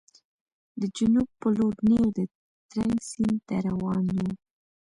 د جنوب په لور نېغ د ترنک سیند ته روان و.